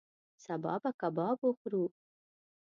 سبا به کباب وخورو